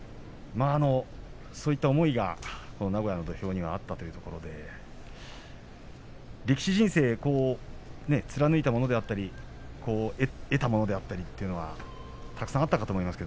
そういった思いがこの名古屋の土俵にはあったということで力士人生貫いたものであったり得たものであったりというのはたくさんあったかと思いますが。